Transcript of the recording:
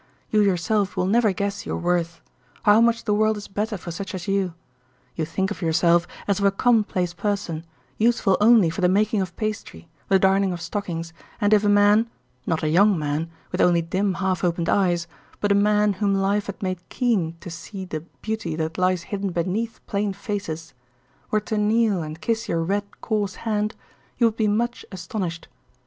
You yourself will never guess your worth—how much the world is better for such as you! You think of yourself as of a commonplace person, useful only for the making of pastry, the darning of stockings, and if a man—not a young man, with only dim half opened eyes, but a man whom life had made keen to see the beauty that lies hidden beneath plain faces—were to kneel and kiss your red, coarse hand, you would be much astonished.